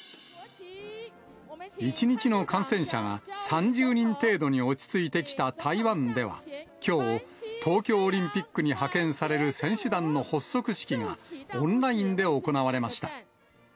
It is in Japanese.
１日の感染者が３０人程度に落ち着いてきた台湾ではきょう、東京オリンピックに派遣される選手団の発足式が、オンラインで行われました。